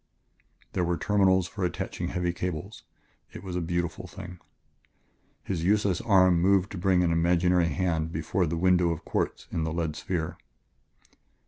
There were terminals for attaching heavy cables; it was a beautiful thing.... His useless arm moved to bring an imaginary hand before the window of quartz in the lead sphere.